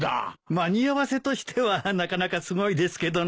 間に合わせとしてはなかなかすごいですけどね。